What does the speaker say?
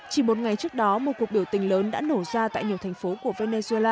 chỉ một ngày trước đó một cuộc biểu tình lớn đã nổ ra tại nhiều thành phố của venezuela